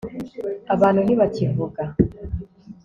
abantu ntibakivuga